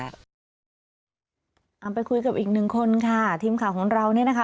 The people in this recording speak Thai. เอาไปคุยกับอีกหนึ่งคนค่ะทีมข่าวของเราเนี่ยนะคะ